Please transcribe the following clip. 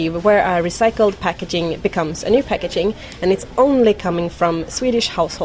di mana pengemasan yang direcycled menjadi pengemasan baru dan hanya datang dari rumah rumah swedi